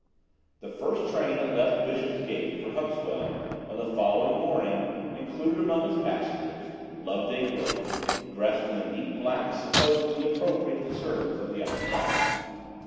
The first train that left Bishopsgate for Huxwell on the following morning included, among its passengers, Loveday Brooke, dressed in the neat black supposed to be appropriate to servants of the upper class.